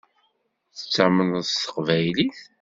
Tettamneḍ s teqbaylit.